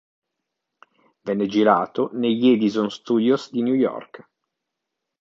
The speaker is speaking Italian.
Venne girato negli Edison Studios di New York.